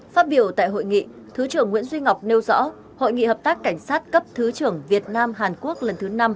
phát biểu tại hội nghị thứ trưởng nguyễn duy ngọc nêu rõ hội nghị hợp tác cảnh sát cấp thứ trưởng việt nam hàn quốc lần thứ năm